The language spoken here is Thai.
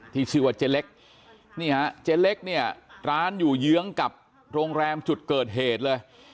ที่ชื่อว่าเจ๊เล็กนี่ฮะเจ๊เล็กเนี่ยร้านอยู่เยื้องกับโรงแรมจุดเกิดเหตุเลย